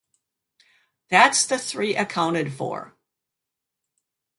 That's the three accounted for.